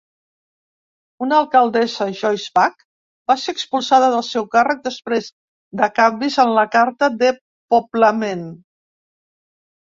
Una alcaldessa, Joyce Beck, va ser expulsada del seu càrrec després de canvis en la Carta de poblament.